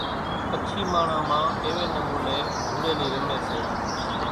ڪڇي ماڻۿان مان ايوي نموني ڌوڙيلي رمي سي۔